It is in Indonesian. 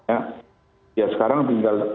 ya sekarang tinggal